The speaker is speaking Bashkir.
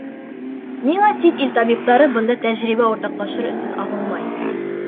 Ниңә сит ил табиптары бында тәжрибә уртаҡлашыр өсөн ағылмай?